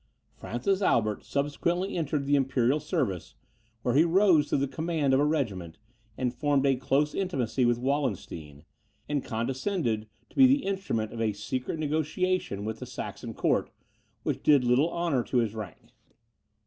Francis Albert subsequently entered the imperial service, where he rose to the command of a regiment, and formed a close intimacy with Wallenstein, and condescended to be the instrument of a secret negociation with the Saxon court, which did little honour to his rank.